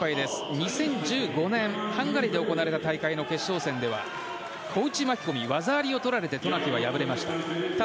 ２０１５年ハンガリーで行われた大会の決勝戦では小内巻き込み、技ありを取られて渡名喜は負けました。